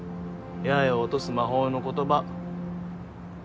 八重を落とす魔法の言葉。